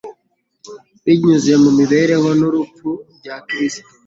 Binyuze mu mibereho n'urupfu bya Kristo